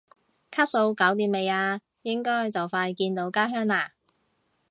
卡數搞掂未啊？應該就快見到家鄉啦？